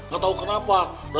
gak tahu kenapa